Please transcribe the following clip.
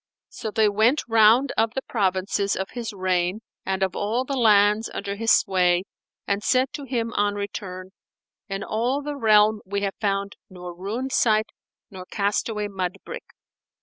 So they went the round of the provinces of his reign and of all the lands under his sway and said to him on return, "In all the realm we have found nor ruined site nor castaway mud brick."